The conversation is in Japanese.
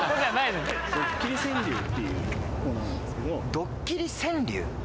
ドッキリ川柳？